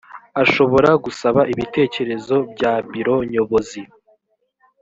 ashobora gusaba ibitekerezo bya biro nyobozi